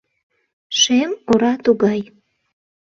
Шем ора тугай.